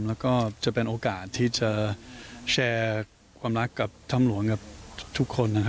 แล้วก็จะเป็นโอกาสที่จะแชร์ความรักกับถ้ำหลวงกับทุกคน